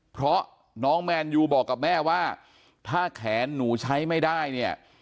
เพราะน้องแมนยูบอกกับแม่ว่าถ้าแขนหนูใช้ไม่ได้เนี่ย